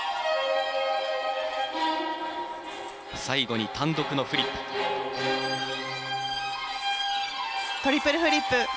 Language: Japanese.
最後に単独のフリップ。